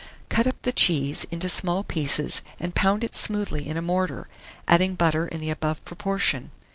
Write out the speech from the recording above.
Cut up the cheese into small pieces, and pound it smoothly in a mortar, adding butter in the above proportion.